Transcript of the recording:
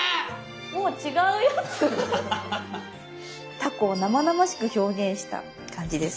タコを生々しく表現した感じです。